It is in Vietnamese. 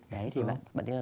đấy thì bạn ấy là